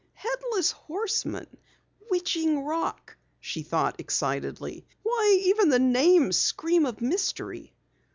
"Headless Horseman Witching Rock!" she thought excitedly. "Why, even the names scream of mystery!"